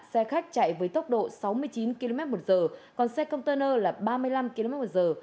xe khách chạy với tốc độ sáu mươi chín km một giờ còn xe container là ba mươi năm km một giờ